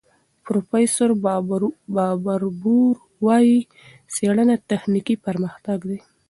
پروفیسور باربور وايي، څېړنه تخنیکي پرمختګ دی.